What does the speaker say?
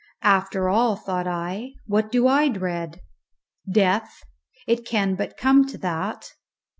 "After all," thought I, "what do I dread? Death! it can but come to that.